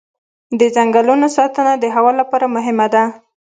د ځنګلونو ساتنه د هوا لپاره مهمه ده.